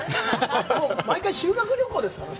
毎回、修学旅行ですからね。